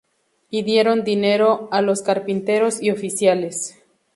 Y dieron dinero á los carpinteros y oficiales;